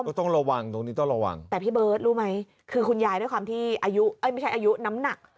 ต้องระวังตรงนี้ต้องระวังแต่พี่เบิร์ตรู้ไหมคือคุณยายด้วยความที่อายุไม่ใช่อายุน้ำหนัก